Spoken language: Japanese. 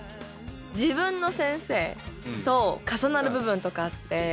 自分の先生と重なる部分とかあって。